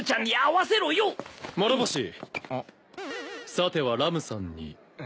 さてはラムさんに。